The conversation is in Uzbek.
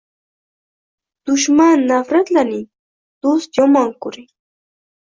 Dushman nafratlaning, do’st yomon ko’ring